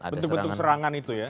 bentuk bentuk serangan itu ya